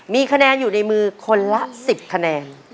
มีคะแนนอยู่ในมือคนละ๑๐คะแนน